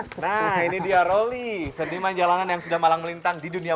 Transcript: halo mas halo mas nah ini dia roli seniman jalanan yang sudah malang melintang di dunia